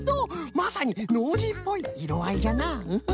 まさにノージーっぽいいろあいじゃなフフフ。